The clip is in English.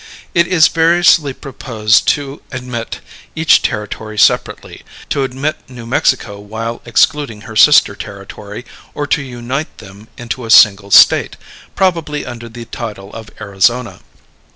It is variously proposed to admit each Territory separately, to admit New Mexico while excluding her sister Territory, or to unite them into a single State, probably under the title of Arizona.